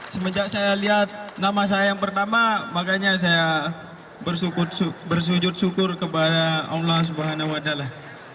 semenjak saya lihat nama saya yang pertama makanya saya bersujud syukur kepada allah swt